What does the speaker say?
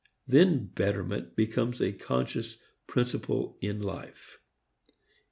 Then betterment becomes a conscious principle of life.